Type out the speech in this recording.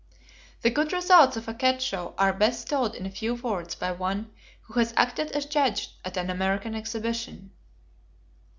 The good results of a cat show are best told in a few words by one who has acted as judge at an American exhibition.